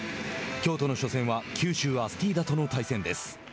京都の初戦は九州アスティーダとの対戦です。